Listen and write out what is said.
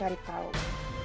aku mau ke rumah